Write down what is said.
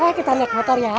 eh kita liat motor ya